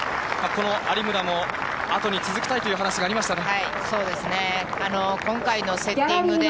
この有村も、後に続きたいという話がありましたね。